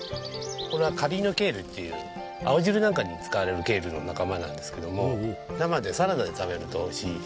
これはカリーノケールっていう青汁なんかに使われるケールの仲間なんですけども生でサラダで食べると美味しい。